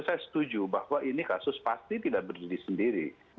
saya setuju bahwa ini kasus pasti tidak berdiri sendiri